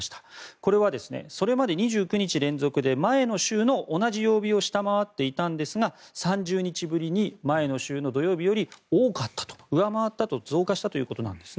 これはそれまで２９日連続で前の週の同じ曜日を下回っていたんですが３０日ぶりに前の週の土曜日より多かった、上回った増加したということです。